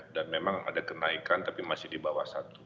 dan memang ada kenaikan tapi masih di bawah satu